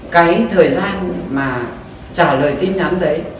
cái thời gian mà trả lời tin nhắn đấy